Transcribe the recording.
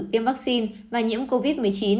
tiêm vaccine và nhiễm covid một mươi chín